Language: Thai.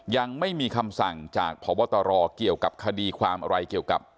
ยังไม่มีคำสั่งจากพบตรเกี่ยวกับคดีความอะไรเกี่ยวกับ